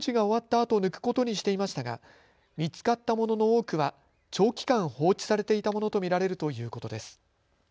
あと抜くことにしていましたが見つかったものの多くは長期間放置されていたものと見られるということです。